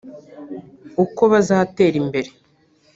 uko bazatera imbere